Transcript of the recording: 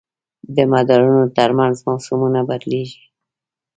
د مدارونو تر منځ موسمونه بدلېږي.